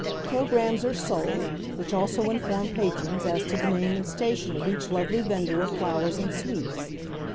Programmes are sold, which also inform patrons as to the name and station of each lovely vendor of flowers and sweets.